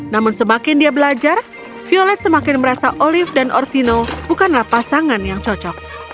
namun semakin dia belajar violet semakin merasa olive dan orsino bukanlah pasangan yang cocok